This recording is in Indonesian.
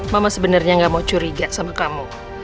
mama sebenarnya gak mau curiga sama kamu